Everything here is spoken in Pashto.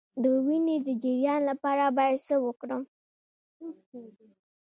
د وینې د جریان لپاره باید څه وکړم؟